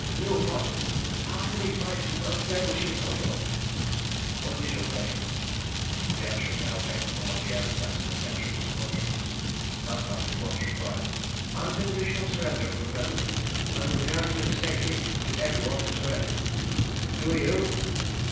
"Nu vot! how can we fight with those devil ships of yours? What is your pleasure?" The answering hail came from one of the aerostats in the centre of the squadron. Mazanoff at once replied "Unconditional surrender for the present, under guarantee of safety to every one who surrenders. Who are you?"